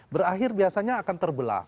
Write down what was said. berakhir biasanya akan terbelah